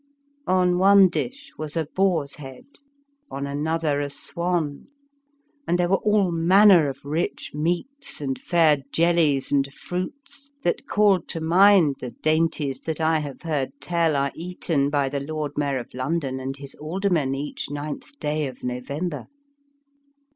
On one dish was a boar's head, on another a swan, and there were all manner of rich meats and fair jellies 53 The Fearsome Island and fruits, that called to mind the dain ties that I have heard tell are eaten by the Lord Mayor of London and his Aldermen each ninth day of November.